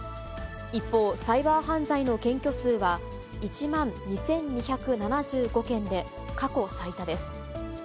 一方、サイバー犯罪の検挙数は、１万２２７５件で、過去最多です。